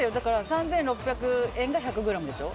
３６００円が１００ｇでしょ。